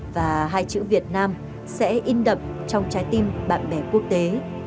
và hai chữ việt nam sẽ in đậm trong trái tim bạn bè quốc tế